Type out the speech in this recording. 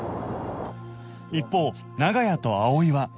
一方長屋と葵は